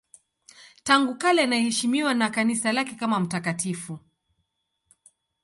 Tangu kale anaheshimiwa na Kanisa lake kama mtakatifu.